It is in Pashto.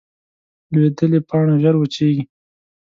لوېدلې پاڼه ژر وچېږي